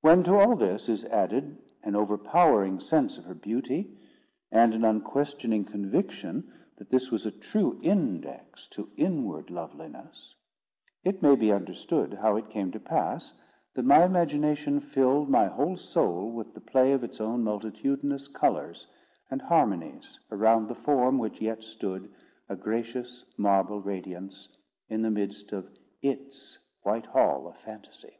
When to all this is added, an overpowering sense of her beauty, and an unquestioning conviction that this was a true index to inward loveliness, it may be understood how it came to pass that my imagination filled my whole soul with the play of its own multitudinous colours and harmonies around the form which yet stood, a gracious marble radiance, in the midst of its white hall of phantasy.